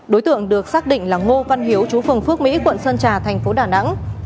đối tượng được xác định là ngô văn hiếu chú phường phước mỹ quận sơn trà thành phố đà nẵng